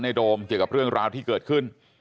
โดมเกี่ยวกับเรื่องราวที่เกิดขึ้น